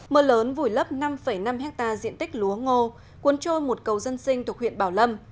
mưa lớn vùi lấp năm năm hectare diện tích lúa ngô cuốn trôi một cầu dân sinh thuộc huyện bảo lâm